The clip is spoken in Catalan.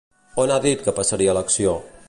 On ha dit que passaria a l'acció?